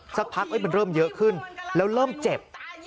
สักพักมันเริ่มเยอะขึ้นแล้วเริ่มเจ็บ